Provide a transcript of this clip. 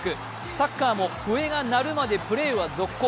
サッカーも笛が鳴るまでプレーは続行。